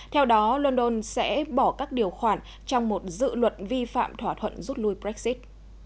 theo đó london sẽ bỏ các điều khoản trong một dự luật vi phạm thỏa thuận rút lui brexit